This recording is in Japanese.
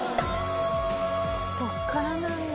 そこからなんだ。